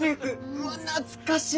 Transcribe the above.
うわ懐かしい！